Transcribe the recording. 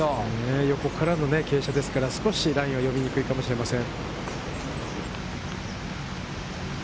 横からの傾斜ですから、少しラインが読みにくいかもしれません。